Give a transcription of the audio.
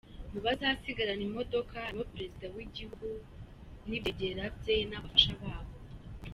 Mubazasigarana imodoka harimo Perezida w’Igihugu n’ibyegera bye n’abafasha babo.